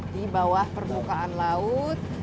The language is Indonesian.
di bawah permukaan laut